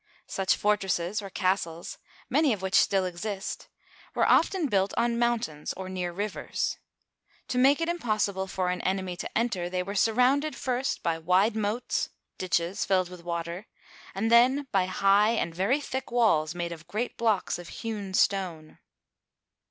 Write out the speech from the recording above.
Such fortresses, or castles, many of which still exist, were often built on mountains or near rivers. To make it impossible for an enemy to enter, they were surrounded first by wide moats — ditches filled with water — and then by high and very thick walls made of great blocks of hewn stone.